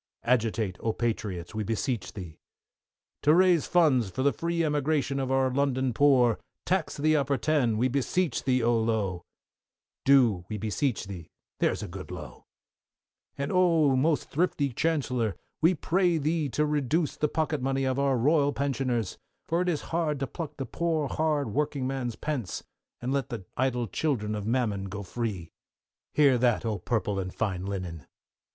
Agitate, oh, Patriots, we beseech thee! To raise funds for the free emigration of our London poor, tax the "Upper Ten," we beseech thee, oh, Lowe! Do, we beseech thee, there's a good Lowe! And, oh, most thrifty Chancellor, we pray thee to reduce the pocket money of our Royal pensioners, for it is hard to pluck the poor hard working man's pence, and let the idle children of mammon go free. Hear that, oh, purple and fine linen!